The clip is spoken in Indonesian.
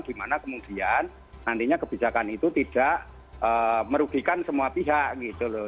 dimana kemudian nantinya kebijakan itu tidak merugikan semua pihak gitu loh